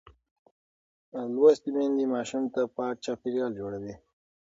لوستې میندې ماشوم ته پاک چاپېریال جوړوي.